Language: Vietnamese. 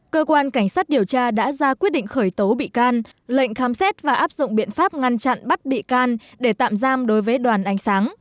cơ quan cảnh sát điều tra đã ra quyết định khởi tố bị can lệnh khám xét và áp dụng biện pháp ngăn chặn bắt bị can để tạm giam đối với đoàn ánh sáng